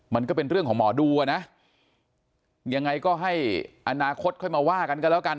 มันก็เป็นเรื่องของหมอดูอ่ะนะยังไงก็ให้อนาคตค่อยมาว่ากันกันแล้วกัน